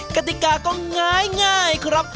กติกาก็ง้ายครับ